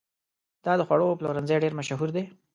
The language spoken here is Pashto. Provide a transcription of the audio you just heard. دا د خوړو پلورنځی ډېر مشهور دی.